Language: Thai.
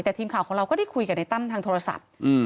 แต่ทีมข่าวของเราก็ได้คุยกับในตั้มทางโทรศัพท์